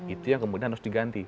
itu yang kemudian harus diganti